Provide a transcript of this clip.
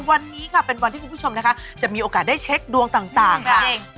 วันนี้ค่ะเป็นวันที่คุณผู้ชมนะคะจะมีโอกาสได้เช็คดวงต่างค่ะ